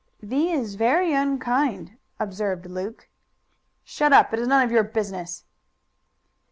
"Thee is very unkind," observed Luke. "Shut up. It is none of your business."